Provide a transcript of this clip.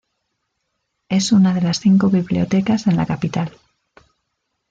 Es una de las cinco bibliotecas en la capital.